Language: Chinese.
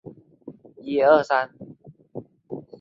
两叉千孔珊瑚为千孔珊瑚科千孔珊瑚属下的一个种。